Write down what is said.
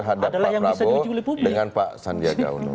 adalah yang bisa diuji oleh pumi